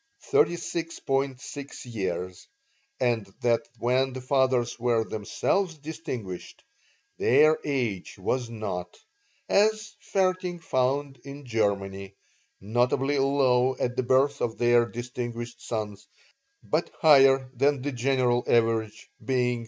6 years; and that when the fathers were themselves distinguished their age was not, as Vaerting found in Germany, notably low at the birth of their distinguished sons, but higher than the general average, being 37.